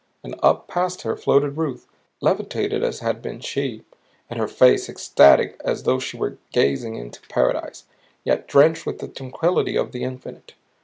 And up past her floated Ruth, levitated as had been she and her face, ecstatic as though she were gazing into Paradise, yet drenched with the tranquillity of the infinite.